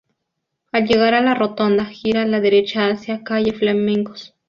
Al llegar a la rotonda, gira a la derecha hacia calle Flamencos.